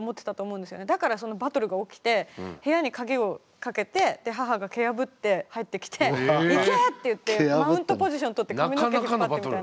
だからそのバトルが起きて部屋に鍵をかけてで母が蹴破って入ってきて「行け！」って言ってマウントポジション取って髪の毛引っ張ってみたいな。